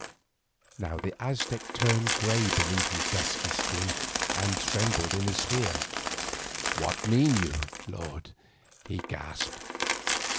Now the Aztec turned grey beneath his dusky skin and trembled in his fear. "What mean you, lord?" he gasped.